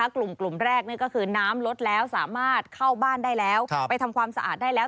กลุ่มแรกก็คือน้ำลดแล้วสามารถเข้าบ้านได้แล้วไปทำความสะอาดได้แล้ว